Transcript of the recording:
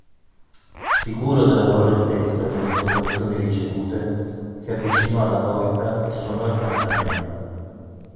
Sicuro della correttezza delle informazioni ricevute, si avvicinò alla porta e suonò il campanello.